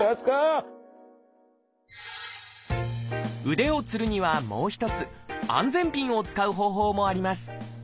腕をつるにはもう一つ安全ピンを使う方法もあります。